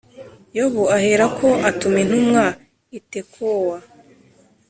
Yowabu aherako atuma intumwa i Tekowa